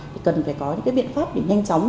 thì cần phải có những cái biện pháp để nhanh chóng